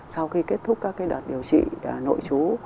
sau khi kết thúc các đợt điều trị nội chú